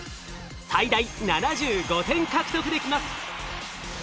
最大７５点獲得できます。